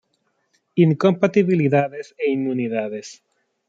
Incompatibilidades e inmunidades.